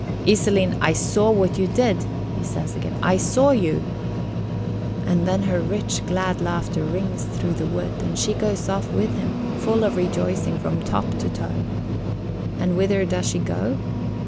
"Iselin, I saw what you did," he says again; "I saw you." And then her rich, glad laughter rings through the wood, and she goes off with him, full of rejoicing from top to toe. And whither does she go?